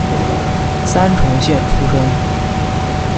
三重县出身。